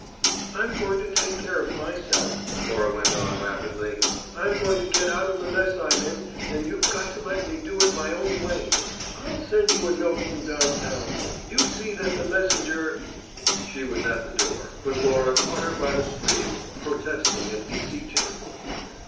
"I'm going to take care of myself," Cora went on rapidly. "I'm going to get out of the mess I'm in, and you've got to let me do it my own way. I'll send you a note from downtown. You see that the messenger " She was at the door, but Laura caught her by the sleeve, protesting and beseeching.